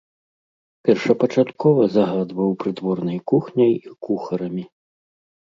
Першапачаткова загадваў прыдворнай кухняй і кухарамі.